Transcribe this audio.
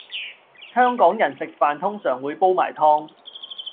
香港人食飯通常會煲埋湯